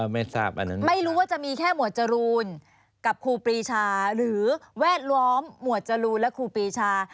ไม่ทราบอันนั้นไม่รู้ว่าจะมีแค่หมวดจรูนกับครูปรีชาหรือแวดล้อมหมวดจรูนและครูปีชา